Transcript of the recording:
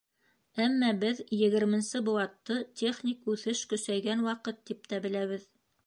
Әммә беҙ ХХ быуатты техник үҫеш көсәйгән ваҡыт тип тә беләбеҙ.